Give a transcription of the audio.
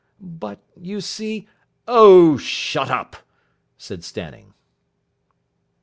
"But you see " "Oh, shut up," said Stanning.